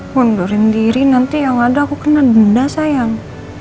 mundurin diri nanti yang ada aku kena benda sayang